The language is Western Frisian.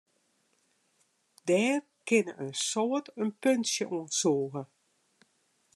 Dêr kinne in soad in puntsje oan sûge.